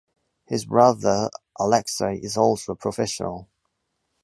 His brother Alekseï is also a professional.